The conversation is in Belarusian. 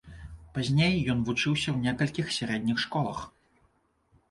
Пазней ён вучыўся ў некалькіх сярэдніх школах.